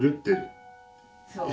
そう。